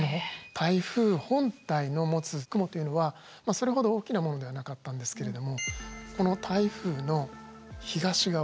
台風本体の持つ雲というのはそれほど大きなものではなかったんですけれどもこの台風の東側